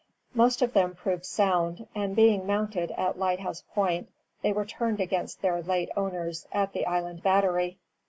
Most of them proved sound; and being mounted at Lighthouse Point, they were turned against their late owners at the Island Battery.